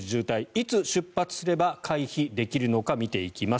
いつ出発すれば回避できるのか見ていきます。